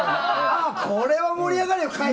これは盛り上がるよ！